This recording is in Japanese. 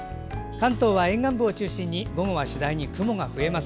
関東は沿岸部を中心に午後は次第に雲が増えます。